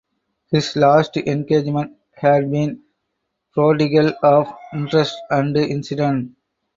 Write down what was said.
His last engagement had been prodigal of interest and incident.